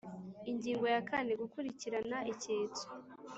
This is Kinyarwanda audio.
Ingingo ya kane Gukurikirana icyitso